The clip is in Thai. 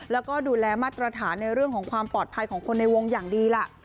แล้วก็ดูแลมาตรฐานในเรื่องของความปลอดภัยของคนในวงอย่างดีล่ะ